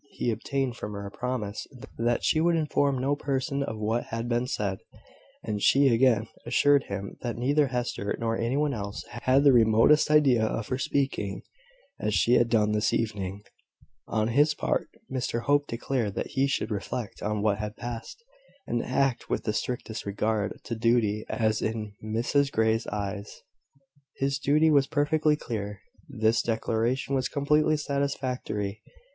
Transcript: He obtained from her a promise that she would inform no person of what had been said; and she again assured him that neither Hester, nor any one else, had the remotest idea of her speaking as she had done this evening. On his part, Mr Hope declared that he should reflect on what had passed, and act with the strictest regard to duty. As, in Mrs Grey's eyes, his duty was perfectly clear, this declaration was completely satisfactory.